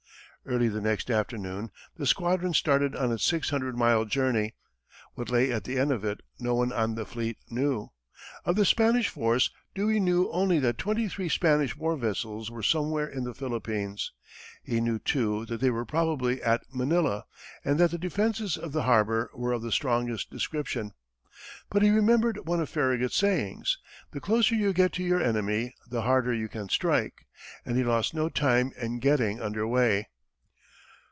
Early the next afternoon, the squadron started on its six hundred mile journey. What lay at the end of it, no one on the fleet knew. Of the Spanish force, Dewey knew only that twenty three Spanish war vessels were somewhere in the Philippines; he knew, too, that they were probably at Manila, and that the defenses of the harbor were of the strongest description. But he remembered one of Farragut's sayings, "The closer you get to your enemy, the harder you can strike," and he lost no time in getting under way.